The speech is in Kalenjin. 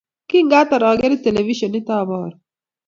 Kingatar ageere televishionit, abaru